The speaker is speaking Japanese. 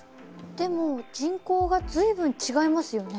でも人口がずいぶん違いますよね？